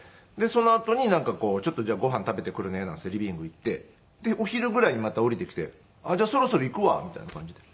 そのあとにちょっとじゃあご飯食べてくるねなんて言ってリビング行ってお昼ぐらいにまた下りてきてじゃあそろそろ行くわみたいな感じで。